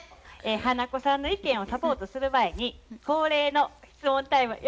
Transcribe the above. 花子さんの意見をサポートする前に恒例の質問タイムよろしいでしょうか？